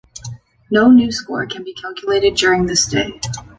No new score can be calculated during the stay.